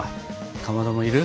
かまどもいる？